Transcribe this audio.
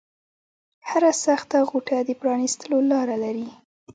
هره سخته غوټه د پرانیستلو لاره لري